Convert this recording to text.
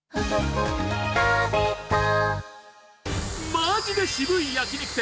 マヂで渋い焼き肉店